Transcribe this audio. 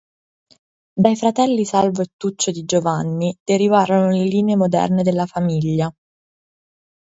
Dai fratelli Salvo e Tuccio di Giovanni derivarono le linee moderne della famiglia.